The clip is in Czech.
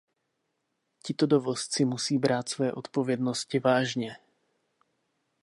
Tito dovozci musí brát své odpovědnosti vážně.